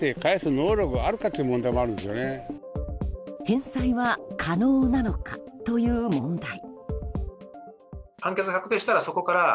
返済は可能なのかという問題。